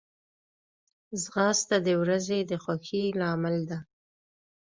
ځغاسته د ورځې د خوښۍ لامل ده